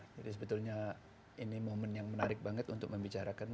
jadi sebetulnya ini momen yang menarik banget untuk membicarakan